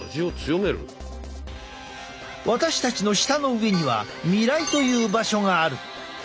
私たちの舌の上には味蕾という場所がある。